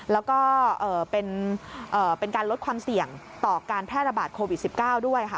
แล้วก็เป็นการลดความเสี่ยงต่อการแพร่ระบาดโควิด๑๙ด้วยค่ะ